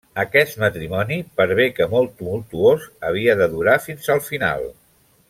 Aquest matrimoni, per bé que molt tumultuós, havia de durar fins al final.